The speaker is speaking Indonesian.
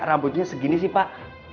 rambutnya segini sih pak